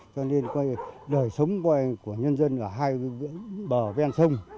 cho nên coi như đời sống của nhân dân ở hai bên bờ ven sông